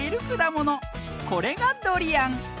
これがドリアン。